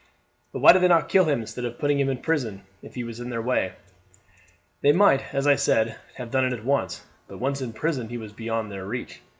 "But why did they not kill him instead of putting him in prison if he was in their way?" "They might, as I said, have done it at once; but once in prison he was beyond their reach.